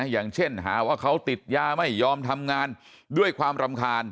อย่างเช่นหาว่าเขาติดยาไม่ยอมทำงานด้วยความรำคาญ